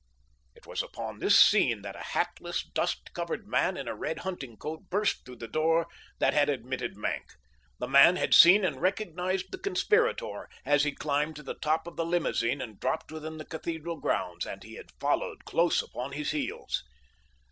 It was upon this scene that a hatless, dust covered man in a red hunting coat burst through the door that had admitted Maenck. The man had seen and recognized the conspirator as he climbed to the top of the limousine and dropped within the cathedral grounds, and he had followed close upon his heels.